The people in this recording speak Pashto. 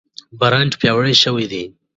برانډ پیاوړی شوی دی.